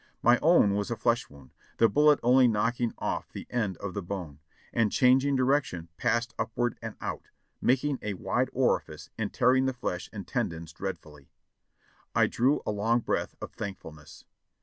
My own was a flesh wound ; the bullet only knocking ofT the end of the bone, and changing direction, passed upward and out. making a wide orifice and tearing the flesh and tendons dreadfully. I drew a long breath of thankfulness.